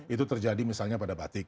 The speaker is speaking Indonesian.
itu terjadi misalnya pada batik